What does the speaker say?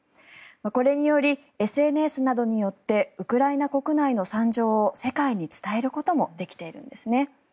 これにより、ＳＮＳなどによってウクライナ国内の惨状を世界に伝えることもできているんですね。